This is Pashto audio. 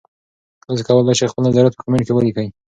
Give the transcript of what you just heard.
تاسي کولای شئ خپل نظریات په کمنټ کې ولیکئ.